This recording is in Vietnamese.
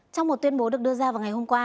trong một tuyên bố được đưa ra vào ngày hôm qua